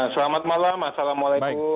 selamat malam assalamualaikum